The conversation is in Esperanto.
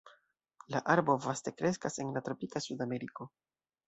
La arbo vaste kreskas en la tropika Sudameriko.